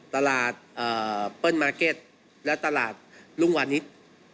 ตลาดเปิ้ลมาร์เก็ตและตลาดรุ่งวานิส